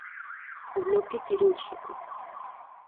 O bloque cirúrxico.